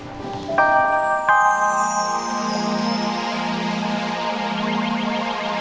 sampai jumpa lagi